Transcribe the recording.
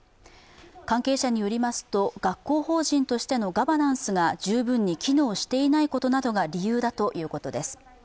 関係者によりますと、学校法人としてのガバナンスが十分に機能していないことなどが理由だということです。